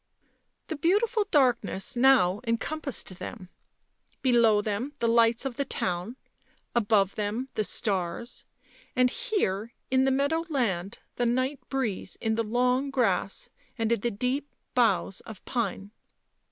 " The beautiful darkness now encompassed them ; below them the lights of the town, above them the stars, and here, in the meadow land, the night breeze in the long grass and in the deep boughs of pine.